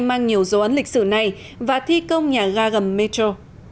mang nhiều dấu ấn lịch sử này và thi công nhà ga ngầm metro